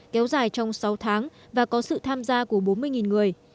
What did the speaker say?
kéo dài trong sáu tháng và có sự tham gia của bốn mươi người